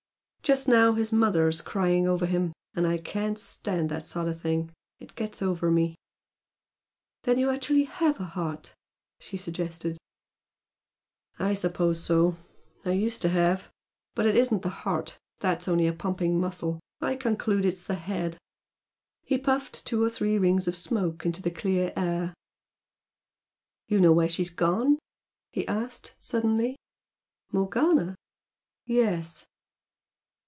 Just now his mother's crying over him, and I can't stand that sort of thing. It gets over me." "Then you actually HAVE a heart?" she suggested. "I suppose so. I used to have. But it isn't the heart, that's only a pumping muscle. I conclude it's the head." He puffed two or three rings of smoke into the clear air. "You know where she's gone?" he asked, suddenly. "Morgana?" "Yes."